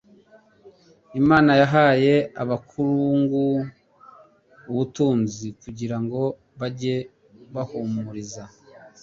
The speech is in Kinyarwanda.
Imana yahaye abakungu ubutunzi kugira ngo bajye bahumuriza